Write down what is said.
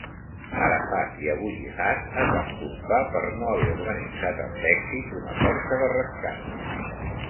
Arafat i Abu Jihad es van culpar per no haver organitzat amb èxit una força de rescat.